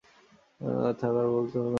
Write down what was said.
থাক আর বলতে হবে না।